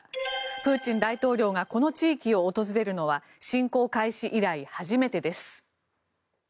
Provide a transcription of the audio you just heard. プーチン大統領がこの地域を訪れるのは侵攻開始以来初めてです。